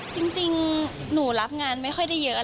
จริงหนูรับงานไม่ค่อยได้เยอะ